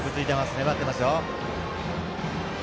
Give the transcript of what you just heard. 粘ってますよ。